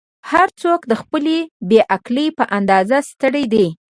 "هر څوک د خپلې بې عقلۍ په اندازه ستړی دی.